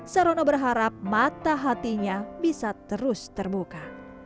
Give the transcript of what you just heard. sarono berharap mata hatinya bisa terus terbuka